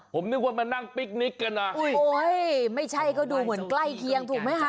ผมนึกว่ามานั่งปิ๊กนิกกันอ่ะอุ้ยไม่ใช่ก็ดูเหมือนใกล้เคียงถูกไหมคะ